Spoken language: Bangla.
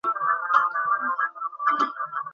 পুরুষের চোখ ছল ছল করে উঠল।